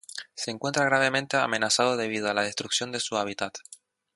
Se encuentra gravemente amenazado debido a la destrucción de su hábitat.